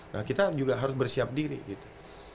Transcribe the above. nah kita juga harus bersiap diri gitu